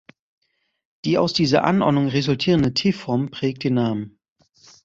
Die aus dieser Anordnung resultierende T-Form prägt den Namen.